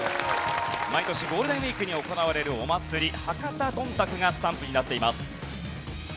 毎年ゴールデンウィークに行われるお祭り博多どんたくがスタンプになっています。